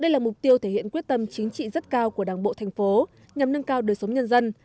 đây là mục tiêu thể hiện quyết tâm chính trị rất cao của đảng bộ thành phố nhằm nâng cao đời sống nhân dân